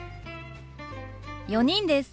４人です。